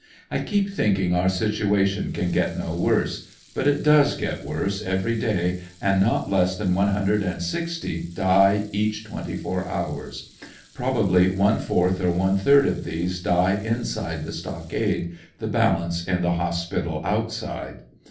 I keep thinking our situation can get no worse, but it does get worse every day and not less than one hundred and sixty die each tw^enty four hours. Probably one fourth or one third of these die inside the stockade, the balance in the hospital outside.